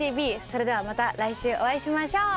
それではまた来週お会いしましょう！